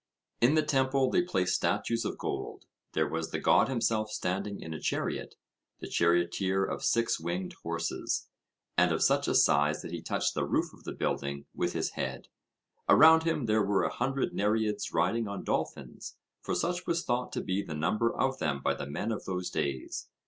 In the temple they placed statues of gold: there was the god himself standing in a chariot the charioteer of six winged horses and of such a size that he touched the roof of the building with his head; around him there were a hundred Nereids riding on dolphins, for such was thought to be the number of them by the men of those days.